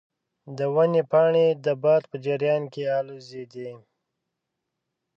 د ونې پاڼې د باد په جریان کې الوزیدې.